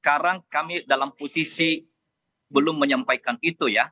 sekarang kami dalam posisi belum menyampaikan itu ya